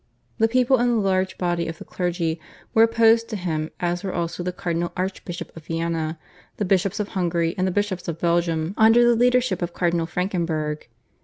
The people and the large body of the clergy were opposed to him as were also the Cardinal Archbishop of Vienna, the bishops of Hungary, and the bishops of Belgium under the leadership of Cardinal Frankenberg.